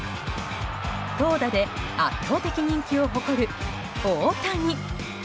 投打で圧倒的人気を誇る大谷。